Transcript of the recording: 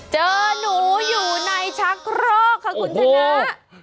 เจอหนูอยู่ในชักโครกค่ะคุณสนับ